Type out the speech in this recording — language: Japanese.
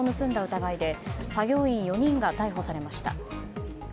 疑いで作業員４人が逮捕されました。